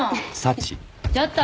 ちょっと。